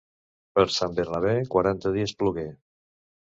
Per Sant Bernabé quaranta dies plogué.